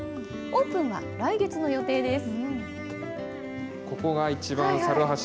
オープンは来月の予定です。